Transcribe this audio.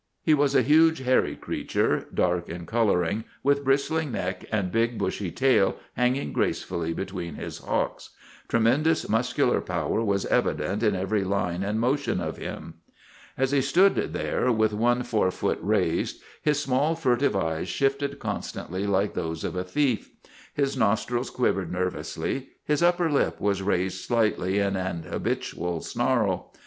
He was a huge, hairy creature, dark in coloring, with bristling neck and big, bushy tail hanging gracefully between his hocks. Tremendous muscular power was evi dent in every line and motion of him. As he stood there, with one forefoot raised, his small furtive eyes shifted constantly like those of a thief. His nostrils quivered nervously; his upper lip was raised slightly in an habitual snarl.